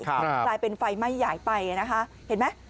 กลายเป็นไฟไหม้ใหญ่ไปนะคะเห็นไหม